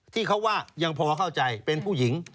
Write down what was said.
ที่เขาว่ายังพอเข้าใจเป็นผู้หญิง